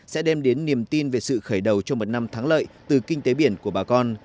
sẽ đem đến niềm tin về sự khởi đầu cho một năm thắng lợi từ kinh tế biển của bà con